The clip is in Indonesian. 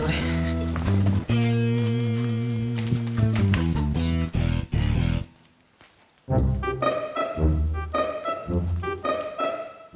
cindy jangan cindy